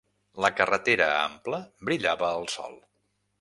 La carretera ampla brillava al sol.